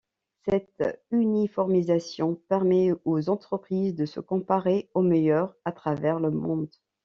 Cette uniformisation permet aux entreprises de se comparer aux meilleures à travers le monde.